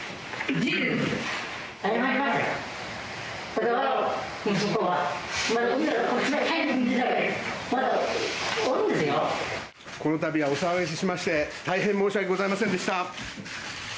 この度はお騒がせしまして大変申し訳ございませんでした。